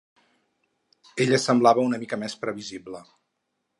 Ella semblava una mica més previsible.